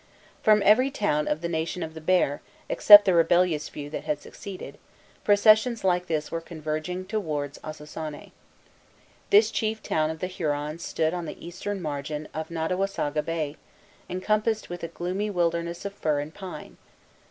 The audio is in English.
From every town of the Nation of the Bear, except the rebellious few that had seceded, processions like this were converging towards Ossossané. This chief town of the Hurons stood on the eastern margin of Nottawassaga Bay, encompassed with a gloomy wilderness of fir and pine.